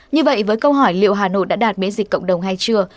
như vậy với câu hỏi liệu hà nội đã đạt miễn dịch cộng đồng hay chưa